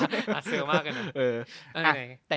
อาจเสื้อมากกว่านั้น